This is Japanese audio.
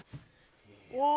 お！